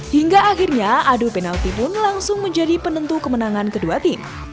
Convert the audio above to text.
hingga akhirnya adu penalti pun langsung menjadi penentu kemenangan kedua tim